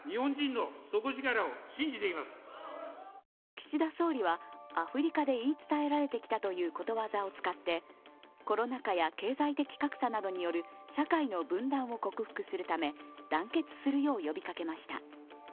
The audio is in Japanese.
岸田総理はアフリカで言い伝えられてきたということわざを使ってコロナ禍や経済的格差などによる社会の分断を克服するため、団結するよう呼びかけました。